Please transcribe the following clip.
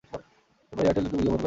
এরপর এয়ারটেল এর কিছু বিজ্ঞাপন করেন।